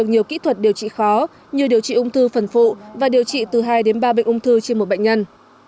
nhiều kỹ thuật điều trị khó như điều trị ung thư phần phụ và điều trị từ hai đến ba bệnh ung thư trên một bệnh nhân